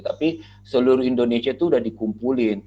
tapi seluruh indonesia itu sudah dikumpulin